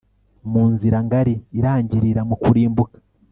mu nzira ngari irangirira mu kurimbuka